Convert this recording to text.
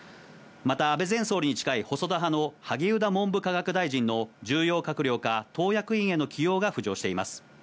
また、安倍前総理に近い細田派の萩生田文部科学大臣の重要閣僚か党役員への起用が浮上しています。